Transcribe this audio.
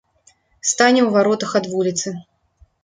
Стане ў варотах ад вуліцы.